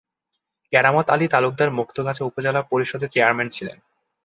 কেরামত আলী তালুকদার মুক্তাগাছা উপজেলা পরিষদের চেয়ারম্যান ছিলেন।